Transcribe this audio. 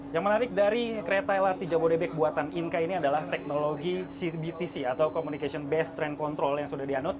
yang menarik dari kereta lrt jabodebek buatan inka ini adalah teknologi cbtc atau communication based train control yang sudah dianut